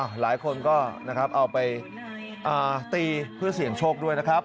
หลายคนก็นะครับเอาไปตีเพื่อเสี่ยงโชคด้วยนะครับ